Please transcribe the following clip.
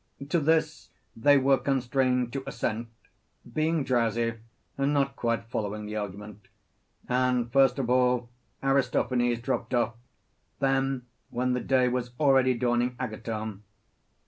To this they were constrained to assent, being drowsy, and not quite following the argument. And first of all Aristophanes dropped off, then, when the day was already dawning, Agathon.